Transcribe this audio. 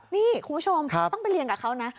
นี่คุณผู้ชมต้องไปเรียนกับเขานะ